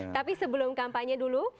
tapi sebelum kampanye dulu